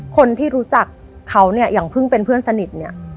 คนที่รู้จักเขาอย่างเพิ่งเป็นเพื่อนสนิท